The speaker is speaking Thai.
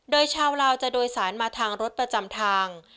โดยชาวลาวจะโดยสารมาทางรถประจำทาง